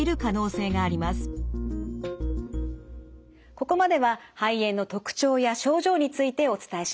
ここまでは肺炎の特徴や症状についてお伝えしました。